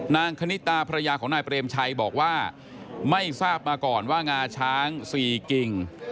นางคณิตาภรรยาของนายประเรมชัยบอกว่าไม่ทราบมาก่อนว่างาช้างช่วยบิลต้น